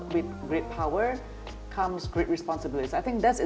dengan kuasa yang besar datang kemampuan yang besar